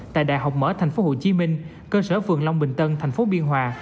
tại đại học mở thành phố hồ chí minh cơ sở vườn long bình tân thành phố biên hòa